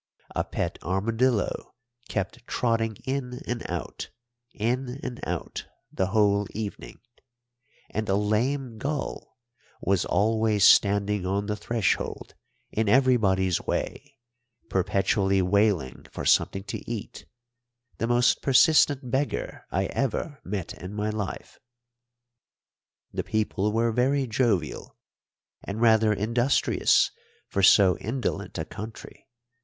A pet armadillo kept trotting in and out, in and out, the whole evening, and a lame gull was always standing on the threshold in everybody's way, perpetually wailing for something to eat the most persistent beggar I ever met in my life. The people were very jovial, and rather industrious for so indolent a country.